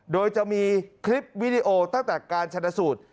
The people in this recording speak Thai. โดยจะมีคลิปวิดีโอตั้งแต่การชนะสูตร